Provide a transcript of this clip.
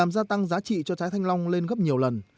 gia tăng giá trị cho trái thanh long lên gấp nhiều lần